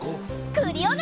クリオネ！